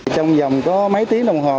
trong dòng có mấy tiếng đồng hồ